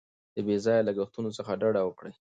د بې ځایه لګښتونو څخه ډډه وکړئ.